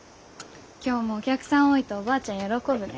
今日もお客さん多いとおばあちゃん喜ぶね。